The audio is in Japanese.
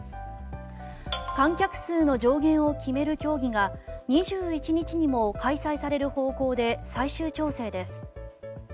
観客数の上限を決める協議が２１日にも開催される方向で最終調整です。